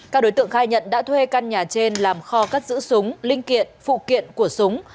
các đối tượng khai nhận đã thuê căn nhà trên làm kho cất giữ súng linh kiện phụ kiện của súng